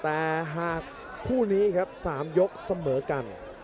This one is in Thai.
แต่หากคู่นี้ครับ๓ยกเสมอกัน